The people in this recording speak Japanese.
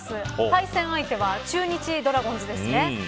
対戦相手は中日ドラゴンズですね。